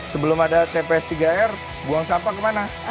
sebelum ada tps tiga r buang sampah kemana